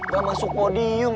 gak masuk podium